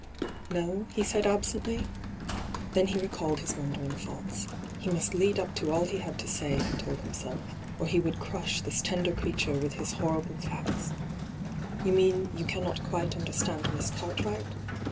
' No V he said absently. Then he recalled his wandering thoughts. He must lead up to all he had to say, he told himself, or he would crush this tender creature with his horrible ■ih. GdOt^le ENTRAPPED 199 facta, ' You mean, you cannot quite under stand Miss Cartwright